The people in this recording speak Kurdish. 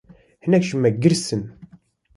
Hinek ji me girs in.